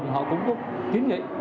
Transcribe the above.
họ cũng kiến nghị